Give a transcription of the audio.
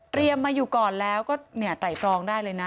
เตรียมมาอยู่ก่อนแล้วก็เนี่ยไตรกรองได้เลยนะ